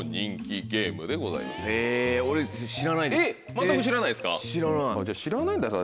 全く知らないですか？